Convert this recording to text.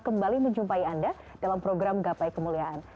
kembali menjumpai anda dalam program gapai kemuliaan